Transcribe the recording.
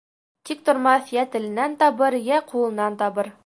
Тиктормаҫ йә теленән табыр, йә ҡулынан табыр.